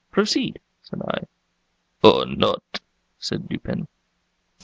"Proceed," said I. "Or not," said Dupin.